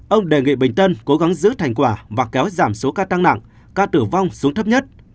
ông đề nghị bệnh tân cố gắng giữ thành quả và kéo giảm số ca tăng nặng ca tử vong xuống thấp nhất